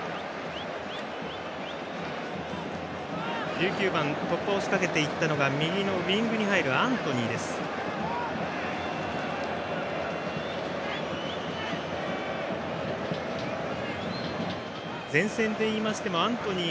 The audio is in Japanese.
１９番、突破を仕掛けたのが右のウイングに入るアントニー。